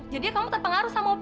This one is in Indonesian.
jadinya kamu terpengaruh sama op